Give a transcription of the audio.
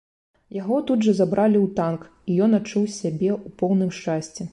Яго тут жа забралі ў танк, і ён адчуў сябе ў поўным шчасці.